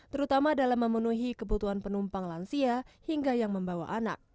terutama dalam memenuhi kebutuhan penumpang lansia hingga yang membawa anak